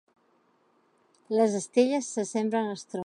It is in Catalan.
Les estelles s'assemblen als troncs.